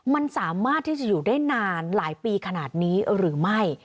มันสามารถที่จะอยู่ได้นานหลายปีขนาดนี้หรือไม่